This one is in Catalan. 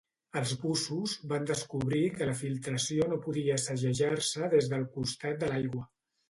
Els bussos van descobrir que la filtració no podia segellar-se des del costat de l'aigua.